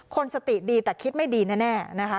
คนสติดีแต่คิดไม่ดีแน่นะคะ